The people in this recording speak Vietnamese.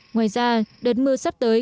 ngoài ra đợt mưa sắp tới